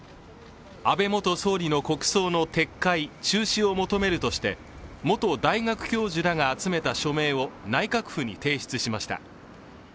安倍元総理の国葬の撤回・中止を求めるとして元大学教授らが集めた署名を内閣府に提出しました。